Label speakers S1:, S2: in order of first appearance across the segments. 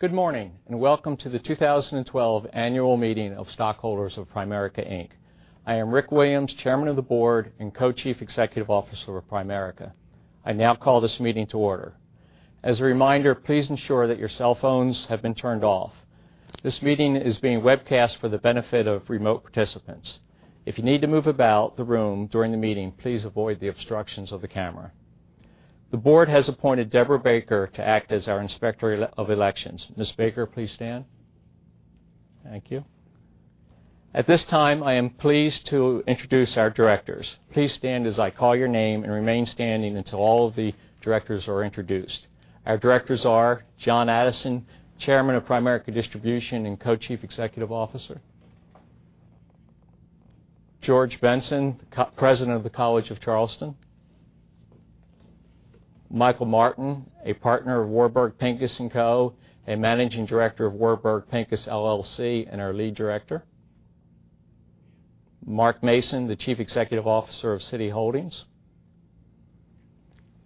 S1: Good morning, and welcome to the 2012 annual meeting of stockholders of Primerica, Inc. I am Rick Williams, Chairman of the Board and Co-Chief Executive Officer of Primerica. I now call this meeting to order. As a reminder, please ensure that your cell phones have been turned off. This meeting is being webcast for the benefit of remote participants. If you need to move about the room during the meeting, please avoid the obstructions of the camera. The Board has appointed Deborah Baker to act as our Inspector of Elections. Ms. Baker, please stand. Thank you. At this time, I am pleased to introduce our Directors. Please stand as I call your name and remain standing until all of the Directors are introduced. Our Directors are John Addison, Chairman of Primerica Distribution and Co-Chief Executive Officer; George Benson, President of the College of Charleston; Michael Martin, a Partner of Warburg Pincus & Co., a Managing Director of Warburg Pincus LLC and our Lead Director; Mark Mason, the Chief Executive Officer of Citi Holdings;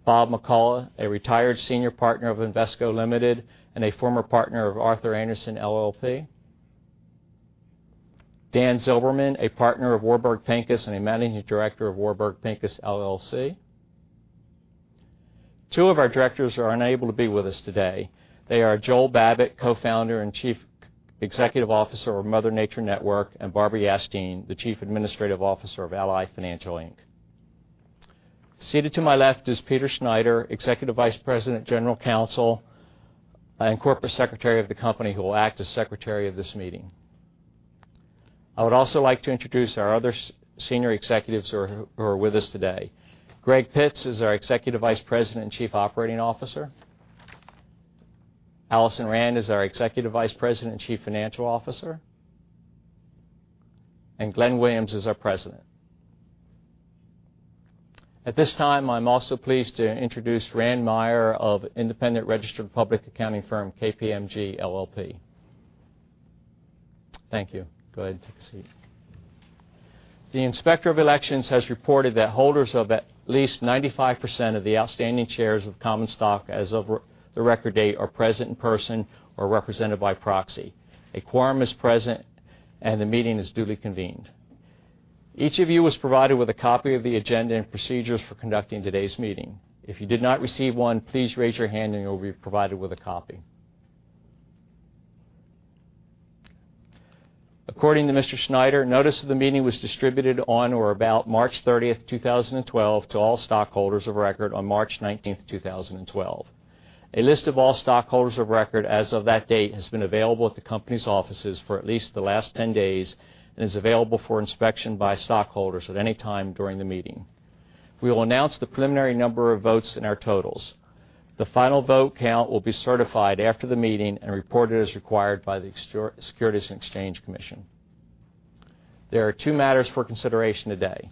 S1: Bob McCullough, a Retired Senior Partner of Invesco Ltd. and a former Partner of Arthur Andersen LLP; Dan Zilberman, a Partner of Warburg Pincus and a Managing Director of Warburg Pincus LLC. Two of our Directors are unable to be with us today. They are Joel Babbit, Co-founder and Chief Executive Officer of Mother Nature Network, and Barbara Yastine, the Chief Administrative Officer of Ally Financial Inc. Seated to my left is Peter Schneider, Executive Vice President, General Counsel, and Corporate Secretary of the company, who will act as secretary of this meeting. I would also like to introduce our other senior executives who are with us today. Greg Pitts is our Executive Vice President and Chief Operating Officer, Alison Rand is our Executive Vice President and Chief Financial Officer, and Glenn Williams is our President. At this time, I am also pleased to introduce Rand Meyer of independent registered public accounting firm, KPMG LLP. Thank you. Go ahead and take a seat. The Inspector of Elections has reported that holders of at least 95% of the outstanding shares of common stock as of the record date are present in person or represented by proxy. A quorum is present, and the meeting is duly convened. Each of you was provided with a copy of the agenda and procedures for conducting today's meeting. If you did not receive one, please raise your hand and you will be provided with a copy. According to Mr. Schneider, notice of the meeting was distributed on or about March 30th, 2012, to all stockholders of record on March 19th, 2012. A list of all stockholders of record as of that date has been available at the company's offices for at least the last 10 days and is available for inspection by stockholders at any time during the meeting. We will announce the preliminary number of votes in our totals. The final vote count will be certified after the meeting and reported as required by the Securities and Exchange Commission. There are two matters for consideration today.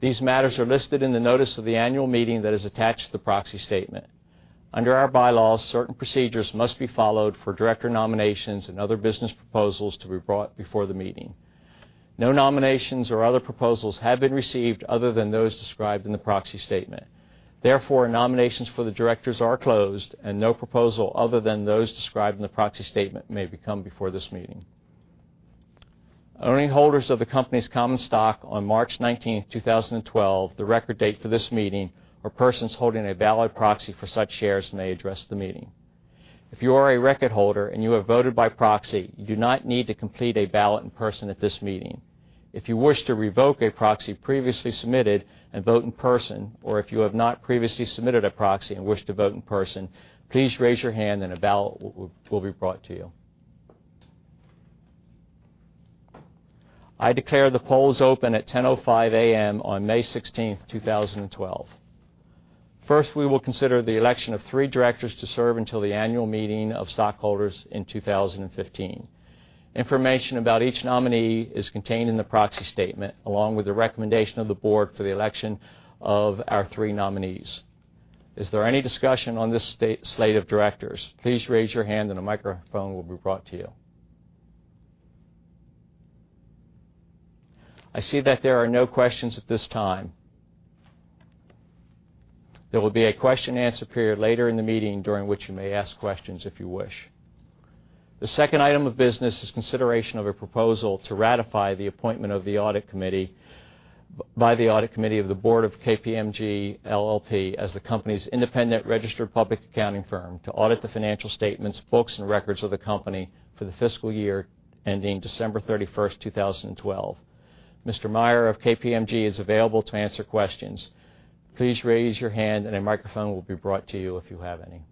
S1: These matters are listed in the notice of the annual meeting that is attached to the proxy statement. Under our bylaws, certain procedures must be followed for Director nominations and other business proposals to be brought before the meeting. No nominations or other proposals have been received other than those described in the proxy statement. Nominations for the directors are closed, and no proposal other than those described in the proxy statement may come before this meeting. Only holders of the company's common stock on March 19th, 2012, the record date for this meeting, or persons holding a valid proxy for such shares may address the meeting. If you are a record holder and you have voted by proxy, you do not need to complete a ballot in person at this meeting. If you wish to revoke a proxy previously submitted and vote in person, or if you have not previously submitted a proxy and wish to vote in person, please raise your hand and a ballot will be brought to you. I declare the polls open at 10:05 A.M. on May 16th, 2012. First, we will consider the election of three directors to serve until the annual meeting of stockholders in 2015. Information about each nominee is contained in the proxy statement, along with the recommendation of the board for the election of our three nominees. Is there any discussion on this slate of directors? Please raise your hand and a microphone will be brought to you. I see that there are no questions at this time. There will be a question and answer period later in the meeting during which you may ask questions if you wish. The second item of business is consideration of a proposal to ratify the appointment of the Audit Committee by the Audit Committee of the Board of KPMG LLP as the company's independent registered public accounting firm to audit the financial statements, books, and records of the company for the fiscal year ending December 31st, 2012. Mr. Meyer of KPMG is available to answer questions. Please raise your hand and a microphone will be brought to you if you have any.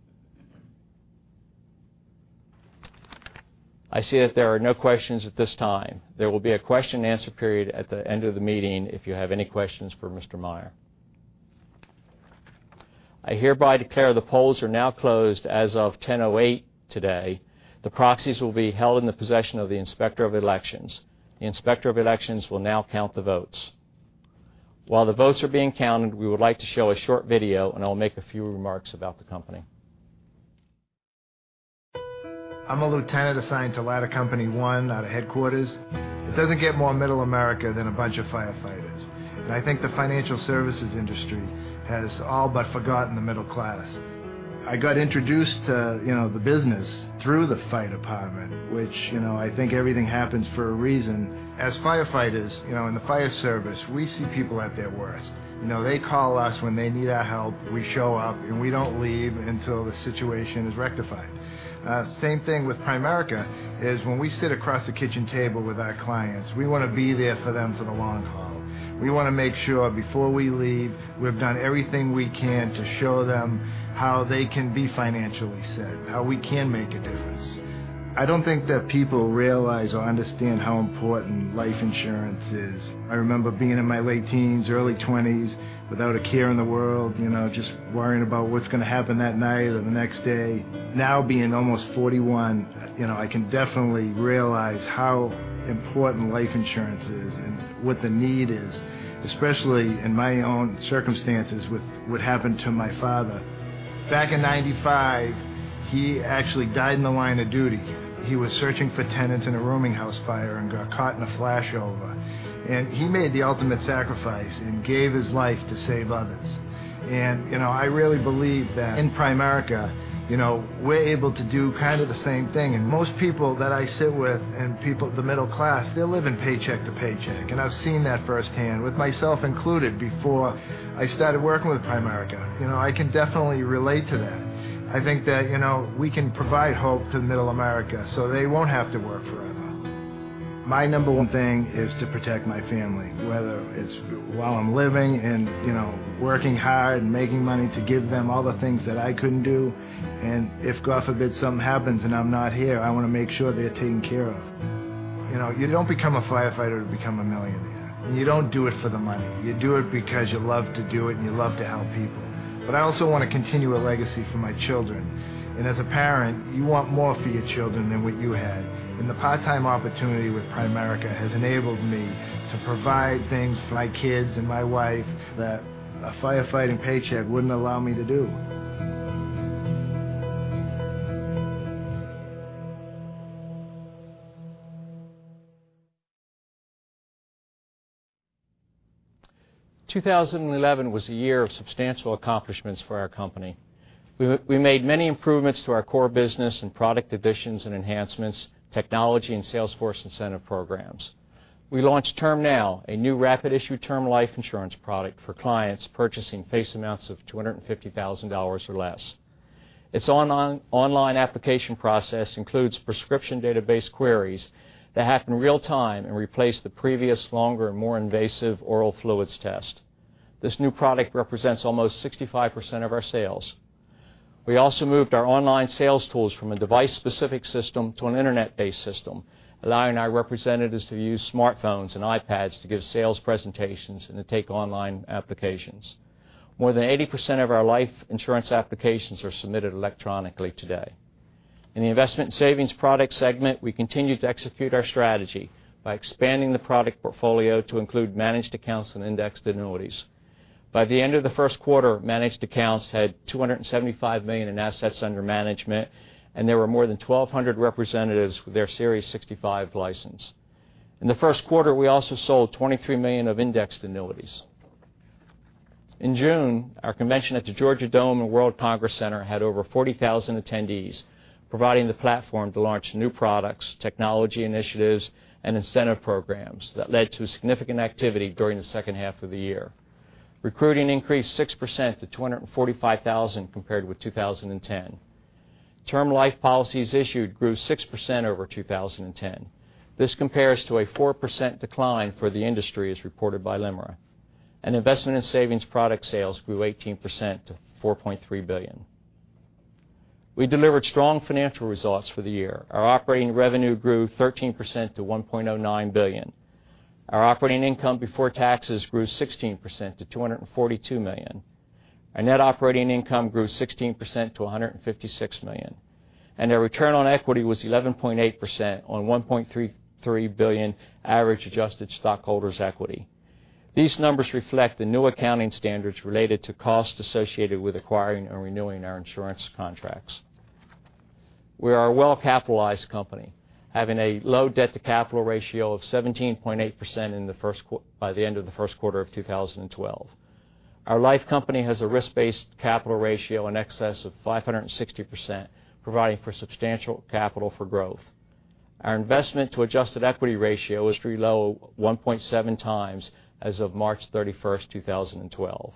S1: I see that there are no questions at this time. There will be a question and answer period at the end of the meeting if you have any questions for Mr. Meyer. I hereby declare the polls are now closed as of 10:08 A.M. today. The proxies will be held in the possession of the Inspector of Elections. The Inspector of Elections will now count the votes. While the votes are being counted, we would like to show a short video, I will make a few remarks about the company.
S2: I'm a lieutenant assigned to Ladder Company 1 out of headquarters. It doesn't get more middle America than a bunch of firefighters. I think the financial services industry has all but forgotten the middle class. I got introduced to the business through the fire department, which I think everything happens for a reason. As firefighters in the fire service, we see people at their worst. They call us when they need our help. We show up, and we don't leave until the situation is rectified. Same thing with Primerica, is when we sit across the kitchen table with our clients, we want to be there for them for the long haul. We want to make sure before we leave, we've done everything we can to show them how they can be financially set, how we can make a difference. I don't think that people realize or understand how important life insurance is. I remember being in my late teens, early 20s, without a care in the world, just worrying about what's going to happen that night or the next day. Now being almost 41, I can definitely realize how important life insurance is and what the need is, especially in my own circumstances with what happened to my father. Back in 1995, he actually died in the line of duty. He was searching for tenants in a rooming house fire and got caught in a flashover. He made the ultimate sacrifice and gave his life to save others. I really believe that in Primerica, we're able to do kind of the same thing. Most people that I sit with and people of the middle class, they're living paycheck to paycheck, and I've seen that firsthand with myself included before I started working with Primerica. I can definitely relate to that. I think that we can provide hope to middle America, so they won't have to work forever. My number one thing is to protect my family, whether it's while I'm living and working hard and making money to give them all the things that I couldn't do. If, God forbid, something happens and I'm not here, I want to make sure they're taken care of. You don't become a firefighter to become a millionaire, and you don't do it for the money. You do it because you love to do it and you love to help people. I also want to continue a legacy for my children. As a parent, you want more for your children than what you had. The part-time opportunity with Primerica has enabled me to provide things for my kids and my wife that a firefighting paycheck wouldn't allow me to do.
S1: 2011 was a year of substantial accomplishments for our company. We made many improvements to our core business and product additions and enhancements, technology and sales force incentive programs. We launched TermNow, a new rapid-issue term life insurance product for clients purchasing face amounts of $250,000 or less. Its online application process includes prescription database queries that happen real time and replace the previous longer, more invasive oral fluids test. This new product represents almost 65% of our sales. We also moved our online sales tools from a device-specific system to an internet-based system, allowing our representatives to use smartphones and iPads to give sales presentations and to take online applications. More than 80% of our life insurance applications are submitted electronically today. In the investment and savings product segment, we continue to execute our strategy by expanding the product portfolio to include managed accounts and indexed annuities. By the end of the first quarter, Managed Accounts had $275 million in assets under management, and there were more than 1,200 representatives with their Series 65 license. In the first quarter, we also sold $23 million of Indexed Annuities. In June, our convention at the Georgia Dome and World Congress Center had over 40,000 attendees, providing the platform to launch new products, technology initiatives, and incentive programs that led to significant activity during the second half of the year. Recruiting increased 6% to 245,000 compared with 2010. Term life policies issued grew 6% over 2010. This compares to a 4% decline for the industry as reported by LIMRA. Investment and savings product sales grew 18% to $4.3 billion. We delivered strong financial results for the year. Our operating revenue grew 13% to $1.09 billion. Our operating income before taxes grew 16% to $242 million. Our net operating income grew 16% to $156 million, and our return on equity was 11.8% on $1.33 billion average adjusted stockholders' equity. These numbers reflect the new accounting standards related to costs associated with acquiring or renewing our insurance contracts. We are a well-capitalized company, having a low debt to capital ratio of 17.8% by the end of the first quarter of 2012. Our life company has a risk-based capital ratio in excess of 560%, providing for substantial capital for growth. Our investment to adjusted equity ratio was 3.017 times as of March 31st, 2012.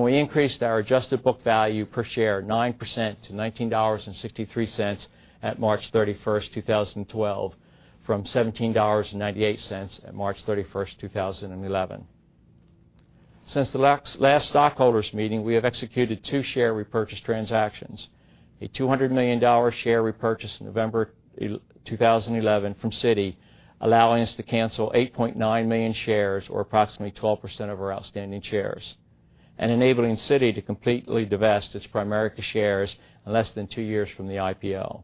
S1: We increased our adjusted book value per share 9% to $19.63 at March 31st, 2012, from $17.98 at March 31st, 2011. Since the last stockholders meeting, we have executed two share repurchase transactions, a $200 million share repurchase in November 2011 from Citi, allowing us to cancel 8.9 million shares or approximately 12% of our outstanding shares and enabling Citi to completely divest its Primerica shares in less than two years from the IPO.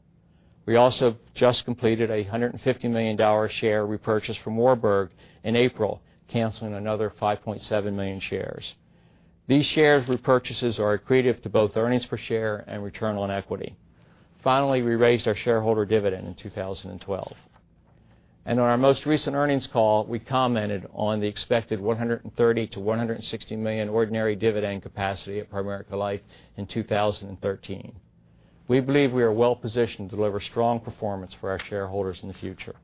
S1: We also just completed a $150 million share repurchase from Warburg in April, canceling another 5.7 million shares. These share repurchases are accretive to both earnings per share and return on equity. Finally, we raised our shareholder dividend in 2012. On our most recent earnings call, we commented on the expected $130 million-$160 million ordinary dividend capacity at Primerica Life in 2013. We believe we are well-positioned to deliver strong performance for our shareholders in the future.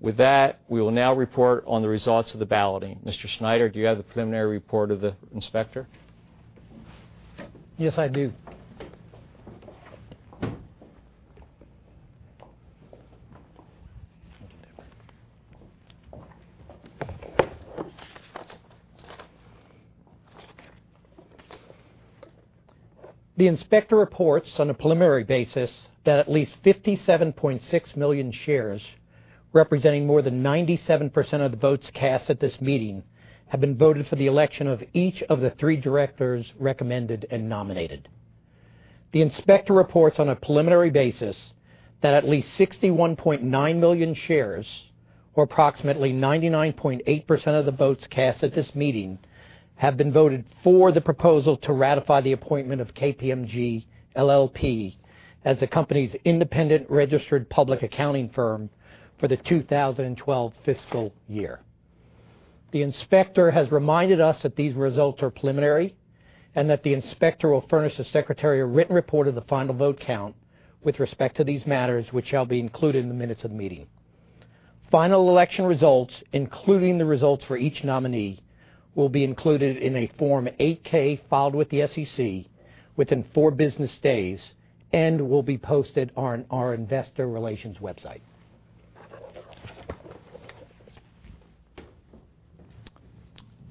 S1: With that, we will now report on the results of the balloting. Mr. Schneider, do you have the preliminary report of the inspector?
S3: Yes, I do. The inspector reports on a preliminary basis that at least 57.6 million shares, representing more than 97% of the votes cast at this meeting, have been voted for the election of each of the three directors recommended and nominated. The inspector reports on a preliminary basis that at least 61.9 million shares, or approximately 99.8% of the votes cast at this meeting, have been voted for the proposal to ratify the appointment of KPMG LLP as the company's independent registered public accounting firm for the 2012 fiscal year. The inspector has reminded us that these results are preliminary and that the inspector will furnish the secretary a written report of the final vote count with respect to these matters, which shall be included in the minutes of the meeting. Final election results, including the results for each nominee, will be included in a Form 8-K filed with the SEC within four business days and will be posted on our investor relations website.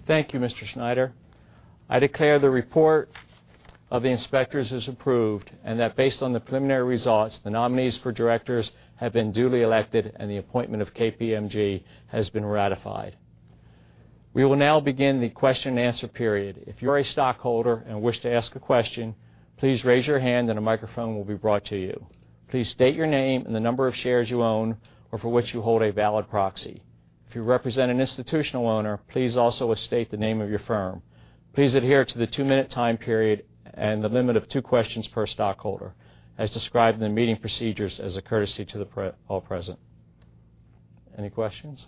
S1: Thank you, Mr. Schneider. I declare the report of the inspectors is approved and that based on the preliminary results, the nominees for directors have been duly elected and the appointment of KPMG has been ratified. We will now begin the question and answer period. If you're a stockholder and wish to ask a question, please raise your hand and a microphone will be brought to you. Please state your name and the number of shares you own or for which you hold a valid proxy. If you represent an institutional owner, please also state the name of your firm. Please adhere to the two-minute time period and the limit of two questions per stockholder, as described in the meeting procedures as a courtesy to all present. Any questions?